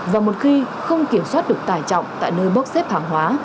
và một khi không kiểm soát được tải trọng tại nơi bốc xếp hàng hóa